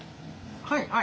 はい。